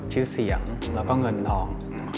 ชื่อเสียงแล้วก็เงินทอง